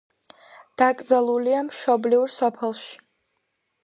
დაკრძალულია მშობლიურ სოფელში.